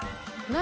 何？